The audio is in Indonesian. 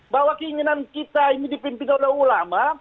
bahwa keinginan kita ini dipimpin oleh ulama